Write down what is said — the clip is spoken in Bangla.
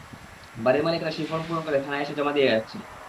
বাড়ির মালিকেরা সেই ফরম পূরণ করে থানায় এসে জমা দিয়ে যাচ্ছেন।